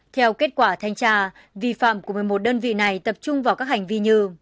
theo kết quả thanh tra vi phạm của một mươi một đơn vị này tập trung vào các hành vi như